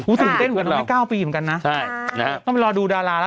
ดูสุดเต้นเหมือนกับ๙ปีเหมือนกันนะต้องไปรอดูดาราละ